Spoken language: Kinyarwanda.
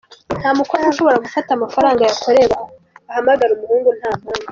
Nta mukobwa ushobora gufata amafaranga yakoreye ngo ahamagare umuhungu nta mpamvu.